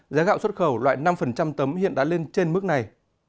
giá gạo xuất khẩu loại năm tấm hiện đã lên trên mức này